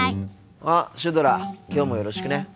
あっシュドラきょうもよろしくね。